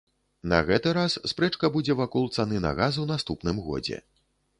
На гэты раз спрэчка будзе вакол цаны на газ у наступным годзе.